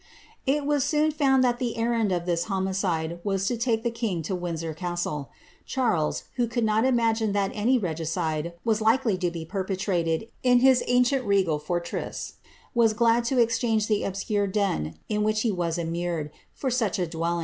it was soon found that the errand of this homicide was to take the king to Windsor castle. Charles, who could not imagine that any regi cide was likely to be perpetrated in his ancient regal fortress, was glad t'> exchange the obscure den in which he was immured for such a dwell i^